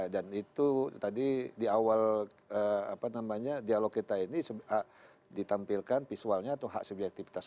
dan itu tadi di awal apa namanya dialog kita ini ditampilkan visualnya atau hak subjektivitas